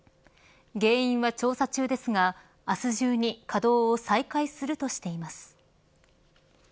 原因は調査中ですが、明日中に稼働を再開するとしています。